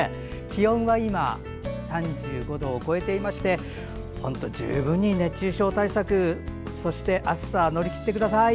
気温は今３５度を超えていまして本当に十分に熱中症対策そして暑さ、乗り切ってください。